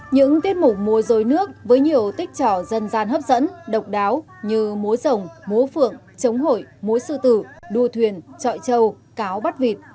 những tiết mục mùa rối nước với nhiều tích trò dân gian hấp dẫn độc đáo như mối rồng mối phượng chống hổi mối sư tử đua thuyền trọi trâu cáo bắt vịt